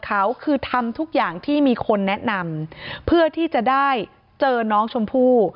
เขาคือทำทุกอย่างที่มีคนแนะนำเพื่อที่จะได้เจอน้องชมพู่